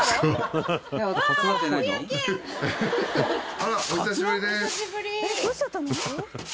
あらお久しぶりです。